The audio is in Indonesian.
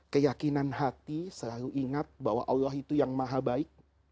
keyakinan hati selalu ingat bahwa allah itu yang maha baik